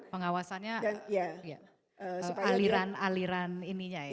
pengawasannya aliran aliran ininya ya